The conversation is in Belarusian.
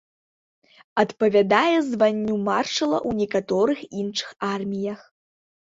Адпавядае званню маршала ў некаторых іншых арміях.